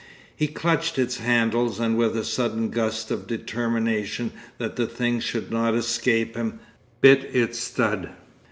He clutched its handles, and with a sudden gust of determination that the thing should not escape him, bit its stud.